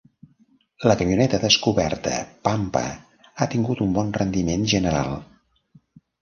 La camioneta descoberta Pampa ha tingut un bon rendiment general.